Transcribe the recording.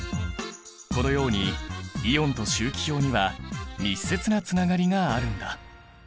このようにイオンと周期表には密接なつながりがあるんだ。